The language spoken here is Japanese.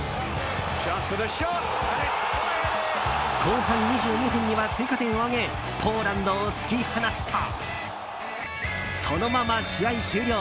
後半２２分には追加点を挙げポーランドを突き放すとそのまま試合終了！